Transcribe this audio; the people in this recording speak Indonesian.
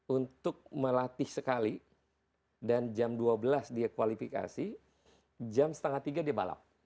untuk melatih sekali dan jam dua belas dia kualifikasi jam setengah tiga dia balap